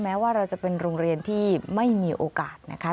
แม้ว่าเราจะเป็นโรงเรียนที่ไม่มีโอกาสนะคะ